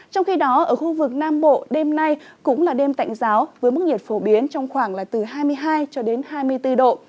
trong khi đó ở khu vực nam bộ đêm nay cũng là đêm tạnh giáo với mức nhiệt phổ biến trong khoảng là từ hai mươi hai cho đến hai mươi bốn độ